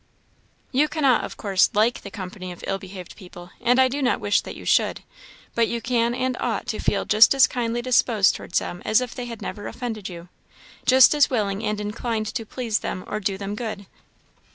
"You cannot, of course, like the company of ill behaved people, and I do not wish that you should; but you can and ought to feel just as kindly disposed towards them as if they had never offended you just as willing and inclined to please them or do them good.